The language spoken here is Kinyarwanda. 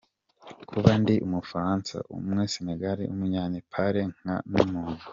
Kuba ndi umufaransa, umunye Senegal, umunye Naple, nkaba n'umuntu.